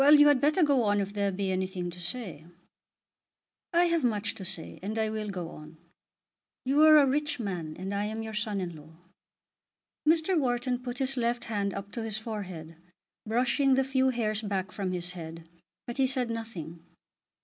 You had better go on if there be anything to say." "I have much to say, and I will go on. You are a rich man, and I am your son in law." Mr. Wharton put his left hand up to his forehead, brushing the few hairs back from his head, but he said nothing.